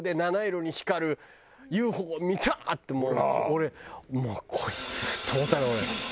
俺もう「こいつ」と思ったの俺。